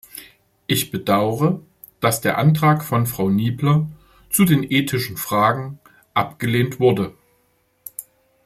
Ich bedaure, dass der Antrag von Frau Niebler zu den ethischen Fragen abgelehnt wurde.